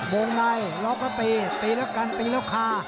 โบงในรอประปรีตีแล้วกันตีแล้วค่า